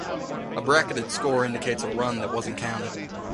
A bracketed score indicates a run that wasn't counted.